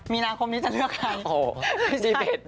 มีนาคมนี้จะเลือกใคร